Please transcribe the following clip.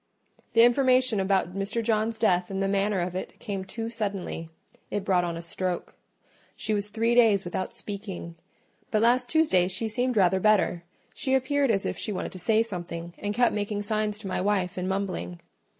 The information about Mr. John's death and the manner of it came too suddenly: it brought on a stroke. She was three days without speaking; but last Tuesday she seemed rather better: she appeared as if she wanted to say something, and kept making signs to my wife and mumbling.